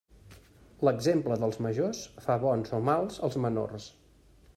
L'exemple dels majors fa bons o mals els menors.